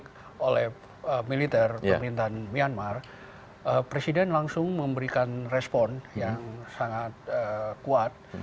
republic oleh militer ya iain dan myanmar presidente langsung memberikan respon yang sangat kuat